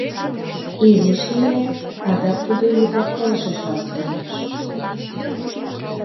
Изиш лиймек адак тудо йӱкак пылышыжлан солныш: